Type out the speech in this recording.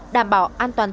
đảm bảo an toàn